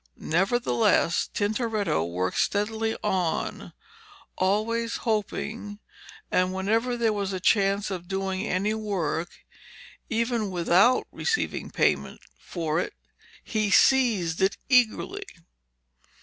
Nevertheless Tintoretto worked steadily on, always hoping, and whenever there was a chance of doing any work, even without receiving payment for it, he seized it eagerly.